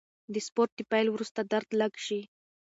د سپورت د پیل وروسته درد لږ شي.